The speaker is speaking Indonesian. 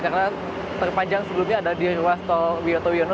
karena terpanjang sebelumnya ada di ruas tol wioto wiono